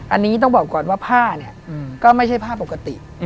อันนี้ต้องบอกก่อนว่าผ้าเนี่ยก็ไม่ใช่ผ้าปกติ